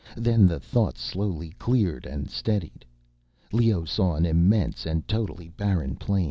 Then the thoughts slowly cleared and steadied. Leoh saw an immense and totally barren plain.